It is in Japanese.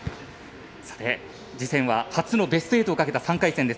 さて、次戦は初のベスト８をかけた３回戦です。